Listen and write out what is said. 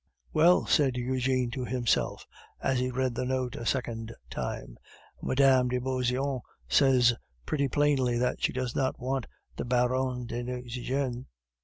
"Well," said Eugene to himself, as he read the note a second time, "Mme. de Beauseant says pretty plainly that she does not want the Baron de Nucingen."